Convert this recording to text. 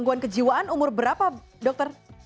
gangguan kejiwaan umur berapa dokter